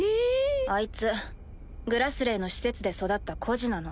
あいつグラスレーの施設で育った孤児なの。